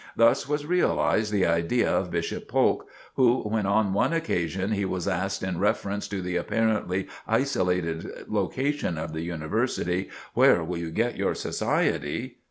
Thus was realized the idea of Bishop Polk, who, when on one occasion he was asked in reference to the apparently isolated location of the University, "Where will you get your society?"